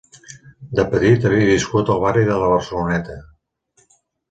De petit havia viscut al barri de la Barceloneta.